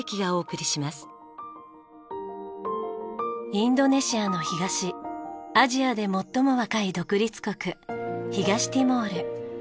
インドネシアの東アジアで最も若い独立国東ティモール。